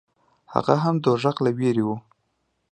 هغه هم د دوزخ له وېرې و.